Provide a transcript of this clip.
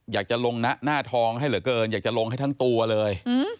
อยากจะลงหน้าทองให้เหลือเกินอยากจะลงให้ทั้งตัวเลย